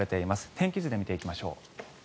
天気図で見ていきましょう。